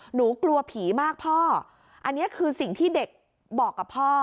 หนูกลัวผีมากพ่ออันนี้คือสิ่งที่เด็กบอกกับพ่อ